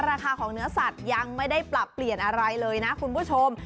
ราคาของเนื้อสัตว์ยังไม่ได้ปรับเปลี่ยนอะไรเลยนะคุณผู้ชม